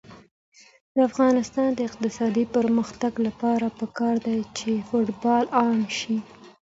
د افغانستان د اقتصادي پرمختګ لپاره پکار ده چې فوټبال عام شي.